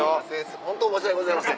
ホント申し訳ございません。